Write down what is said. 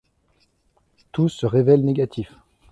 Tous se révèlent négatifs.